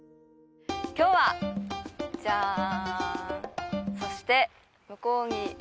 今日はジャーン